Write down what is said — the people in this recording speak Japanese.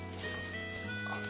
あっ。